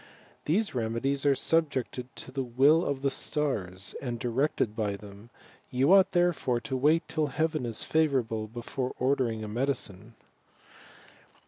"The temedies are subjected to the will of the stars, and directed by them ; you ought therefore to wait till heaven is favourable, before ordering a medicine."